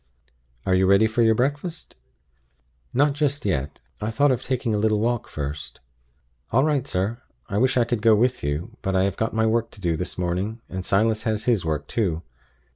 Are you ready for your breakfast?" "Not just yet. I thought of taking a little walk first." "All right, sir. I wish I could go with you; but I have got my work to do this morning, and Silas has his work too.